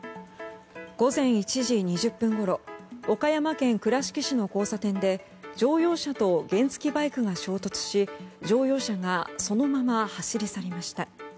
午前１時２０分ごろ岡山県倉敷市の交差点で乗用車と原付きバイクが衝突し乗用車がそのまま走り去りました。